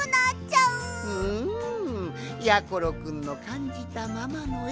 うんやころくんのかんじたままのえ